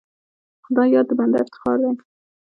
د خدای یاد د بنده افتخار دی.